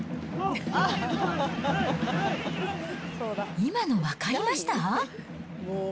今の分かりました？